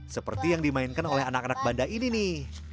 seperti yang dimainkan oleh anak anak banda ini nih